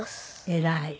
偉い。